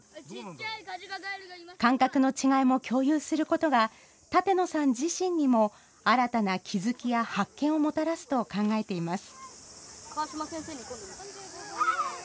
感覚の違いも共有することが舘野さん自身にも新たな気付きや発見をもたらすと考えています。